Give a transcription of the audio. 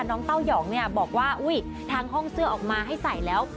น้องเต้ายองบอกว่าทางห้องเสื้อออกมาให้ใส่แล้ว